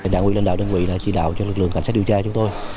đảng quỹ lãnh đạo đơn vị đã chỉ đạo cho lực lượng cảnh sát điều tra chúng tôi